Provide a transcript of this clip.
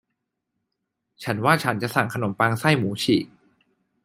ฉันว่าฉันจะสั่งขนมปังไส้หมูฉีก